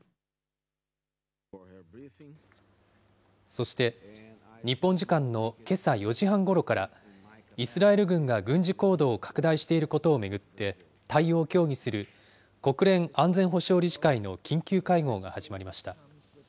そして、日本時間のけさ４時半ごろから、イスラエル軍が軍事行動を拡大していることを巡って対応を協議する国連安全保障理事会の緊急会合が始まりました。